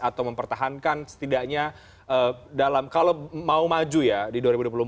atau mempertahankan setidaknya dalam kalau mau maju ya di dua ribu dua puluh empat